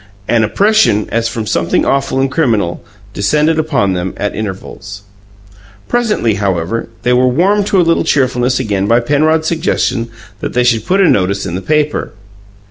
An oppression, as from something awful and criminal, descended upon them at intervals. Presently, however, they were warmed to a little cheerfulness again by Penrod's suggestion that they should put a notice in the paper.